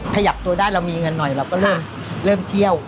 ขยับตัวได้เรามีเงินหน่อยเราก็เริ่มเที่ยว